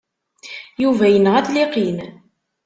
Yuba yenɣa-t Liqin.